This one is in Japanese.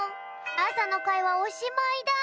朝の会はおしまいだ！